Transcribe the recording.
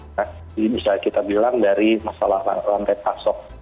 jadi bisa kita bilang dari masalah lantai pasok